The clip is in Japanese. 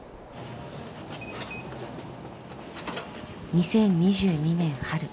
２０２２年春。